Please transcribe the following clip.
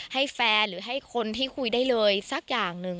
ให้แฟนหรือให้คนที่คุยได้เลยสักอย่างหนึ่ง